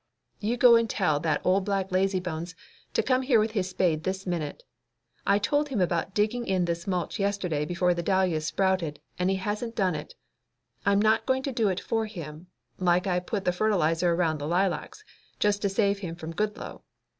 "You go tell that old black lazybones to come here with his spade this minute. I told him about digging in this mulch yesterday before the dahlias sprouted, and he hasn't done it. I'm not going to do it for him, like I put the fertilizer around the lilacs, just to save him from Goodloe.